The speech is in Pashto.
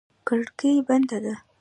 کړکۍ بنده ده.